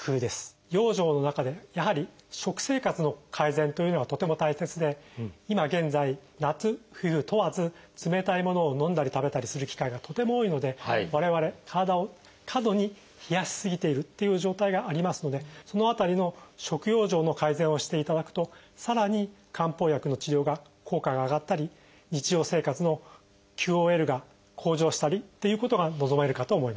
養生の中でやはり食生活の改善というのがとても大切で今現在夏冬問わず冷たいものを飲んだり食べたりする機会がとても多いので我々体を過度に冷やし過ぎているっていう状態がありますのでその辺りの食養生の改善をしていただくとさらに漢方薬の治療が効果が上がったり日常生活のＱＯＬが向上したりということが望めるかと思います。